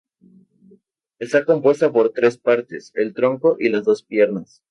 Está compuesta por tres partes: el tronco y las dos piernas.